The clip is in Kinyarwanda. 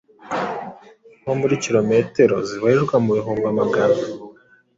nko muri kilometero zibarirwa mu bihumbi amagana